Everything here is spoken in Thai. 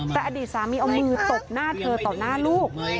แต่อดีตสามีเอามือตบหน้าเธอต่อหน้าลูก